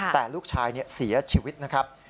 แต่ลูกชายเสียชีวิตนะครับ